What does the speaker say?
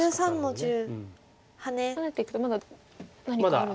ハネていくとまだ何かあるんですか？